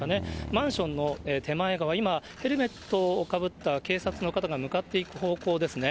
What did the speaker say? マンションの手前側、今、ヘルメットをかぶった警察の方が向かっていく方向ですね。